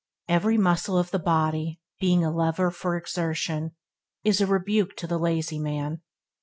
Every muscle of the body (being a lever for exertion) is a rebuke to the lazy man.